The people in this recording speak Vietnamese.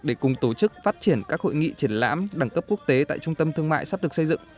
để cùng tổ chức phát triển các hội nghị triển lãm đẳng cấp quốc tế tại trung tâm thương mại sắp được xây dựng